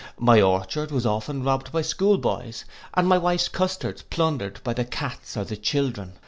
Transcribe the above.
My orchard was often robbed by school boys, and my wife's custards plundered by the cats or the children.